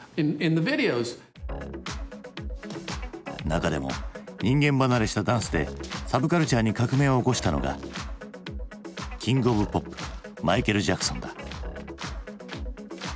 中でも人間離れしたダンスでサブカルチャーに革命を起こしたのがキング・オブ・ポップマイケル・ジャクソンだ。